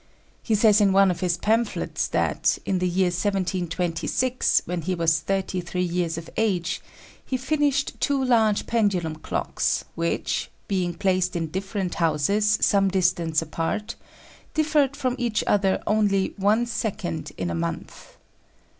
He says in one of his pamphlets that, in the year 1726, when he was thirty three years of age, he finished two large pendulum clocks which, being placed in different houses some distance apart, differed from each other only one second in a month.